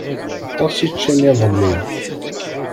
Aṭas i ččan iḍelli.